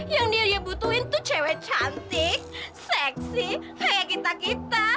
yang dia butuhin tuh cewek cantik seksi kayak kita kita